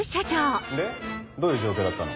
でどういう状況だったの？